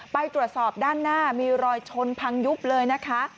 ไปตรวจสอบด้านหน้ามีรอยชนพังยุบเลยนะคะ